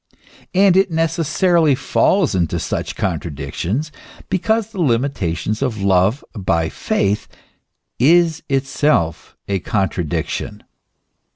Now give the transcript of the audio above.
And it necessarily falls into such contradictions, because the limitation of love by faith is itself a contradiction.